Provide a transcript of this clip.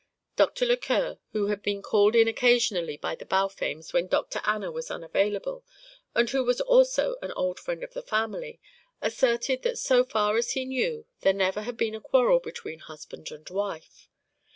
Dr. Lequer, who had been called in occasionally by the Balfames when Dr. Anna was unavailable, and who was also an old friend of the family, asserted that so far as he knew there never had been a quarrel between husband and wife.